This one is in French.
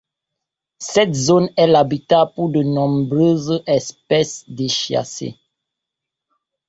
Cette zone est l’habitat pour de nombreuses espèces d’Échassier.